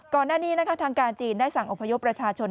ก่อนหน้านี้นะคะทางการจีนได้สั่งอพยพประชาชน